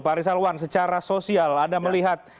pak rizalwan secara sosial anda melihat